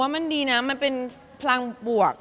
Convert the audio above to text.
มันดีนะมันเป็นพลังบวก